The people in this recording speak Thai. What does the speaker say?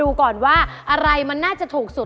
อุปกรณ์ทำสวนชนิดใดราคาถูกที่สุด